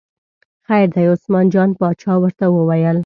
خیر دی، عثمان جان باچا ورته وویل.